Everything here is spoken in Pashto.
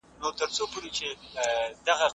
تاسو به په خپله څېړنه کي بریالي شئ.